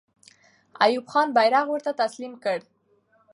ایوب خان بیرغ ورته تسلیم کړ.